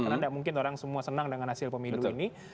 karena tidak mungkin orang semua senang dengan hasil pemilu ini